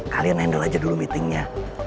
kalian handle aja dulu meetingnya